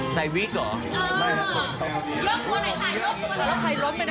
ขอหน้าหน่อยค่ะขอมูลหน่อยค่ะ